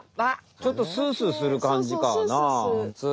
ちょっとスースーするかんじかなあ。